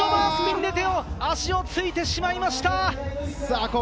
バースピンで足を着いてしまいました。